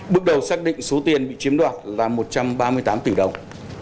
bước đầu xác định số tiền bị chiếm đoạt là một trăm ba mươi tám tỷ đồng